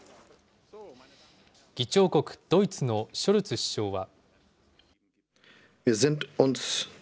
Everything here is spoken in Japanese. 議長国ドイツのショルツ首相は。